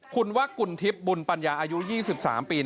คุณว่ากุลทิพย์บุญปัญญาอายุ๒๓ปี